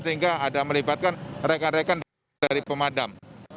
sehingga ada melibatkan rekan rekan dari pemadam